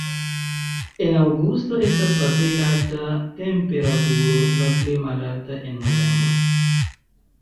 En aŭgusto estas la plej alta temperaturo, la plej malalta en novembro.